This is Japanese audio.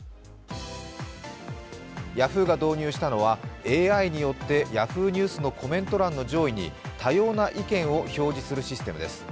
ヤフーが導入したのはＡＩによってＹａｈｏｏ！ニュースのコメント欄の上位に多様な意見を表示するシステムです。